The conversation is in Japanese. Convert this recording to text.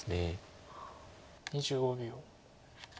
２５秒。